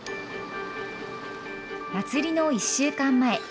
まつりの１週間前。